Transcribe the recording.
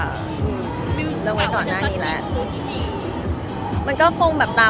อเรนนี่มิลก็ว่าจะสำคัญชุดที่